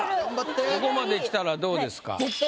ここまできたらどうですか？